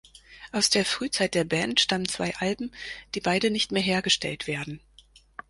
Aus der Frühzeit der Band stammen zwei Alben, die beide nicht mehr hergestellt werden.